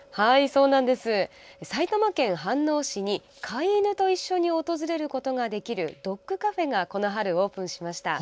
埼玉県飯能市に、飼い犬と一緒に訪れることができるドッグカフェがこの春オープンしました。